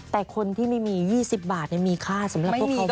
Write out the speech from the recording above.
แต่คนที่ไม่มี๒๐บาทเนี่ยมีค่าสำหรับพวกเขามากนะ